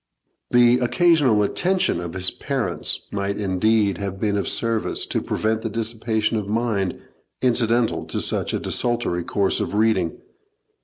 The occasional attention of his parents might indeed have been of service to prevent the dissipation of mind incidental to such a desultory course of reading.